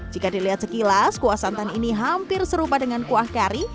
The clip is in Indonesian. jika dilihat sekilas kuah santan ini hampir serupa dengan kuah kari